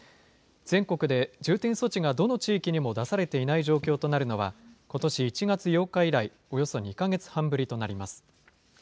全国で重点措置がどの地域にも出されていない状況となるのは、ことし１月８日以来およそ２か月半ぶりとなります。